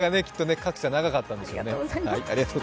取材がきっと各社、長かったんでしょうね。